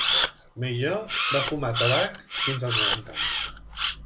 Meilleur va fumar tabac fins als noranta anys.